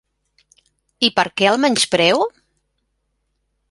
I per què el menyspreo?